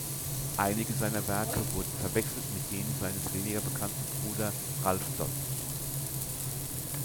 Einige seiner Werke wurden verwechselt mit denen seines weniger bekannten Bruder Ralph Dodd.